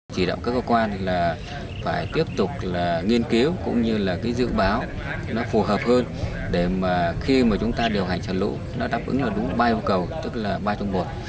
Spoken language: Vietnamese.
chỉ đạo các cơ quan là phải tiếp tục nghiên cứu cũng như dự báo phù hợp hơn để khi chúng ta điều hành trả lũ đáp ứng đúng ba vô cầu tức là ba trong một